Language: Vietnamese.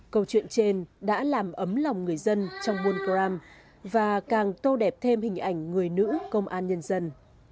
câu chuyện trên đã làm ấm lòng người dân trong buôngram và càng tô đẹp thêm hình ảnh người nữ công an nhân dân